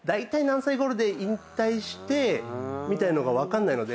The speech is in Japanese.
みたいのが分かんないので。